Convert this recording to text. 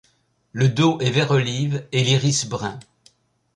Le dos est vert olive et l'iris brun.